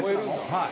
はい。